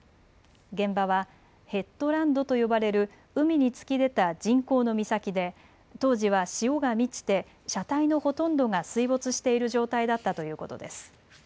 現場はヘッドランドと呼ばれる海に突き出た人工の岬で当時は潮が満ちて車体のほとんどが水没している状態だったということです。